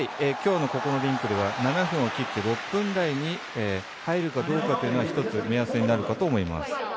今日のここのリンクでは７分を切って６分台に入るかどうかというのが一つ、目安になると思います。